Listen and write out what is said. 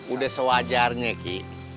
udah sewajarnya ki